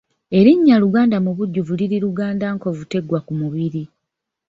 Erinnya Luganda mubujjuvu liri Luganda nkovu teggwa ku mubiri.